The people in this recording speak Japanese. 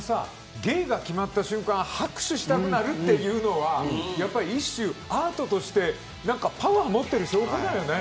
芸が決まった瞬間拍手したくなるというのは一種アートとしてパワーを持っている証拠だよね。